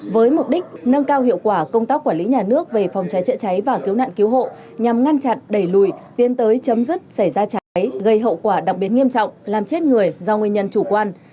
với mục đích nâng cao hiệu quả công tác quản lý nhà nước về phòng cháy chữa cháy và cứu nạn cứu hộ nhằm ngăn chặn đẩy lùi tiến tới chấm dứt xảy ra cháy gây hậu quả đặc biệt nghiêm trọng làm chết người do nguyên nhân chủ quan